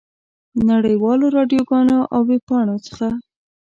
نړۍ والو راډیوګانو او ویبپاڼو څخه.